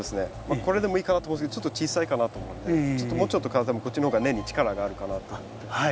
これでもいいかなと思うんですけどちょっと小さいかなと思うんでちょっともうちょっとこっちの方が根に力があるかなと思って。